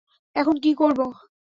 এখন কি করবো!